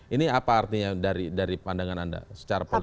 ini apa artinya dari pandangan anda secara politik